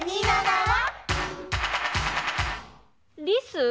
リス？